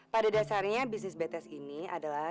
pada dasarnya bisnis bts ini adalah